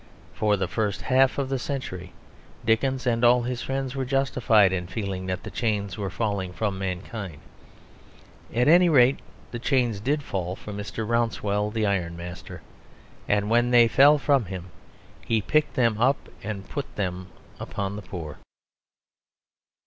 For the first half of the century Dickens and all his friends were justified in feeling that the chains were falling from mankind. At any rate, the chains did fall from Mr. Rouncewell the Iron master. And when they fell from him he picked them up and put them upon the poor.